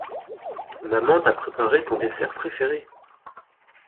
Maman t'a préparé ton dessert préféré.